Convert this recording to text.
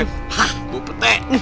hah bu pete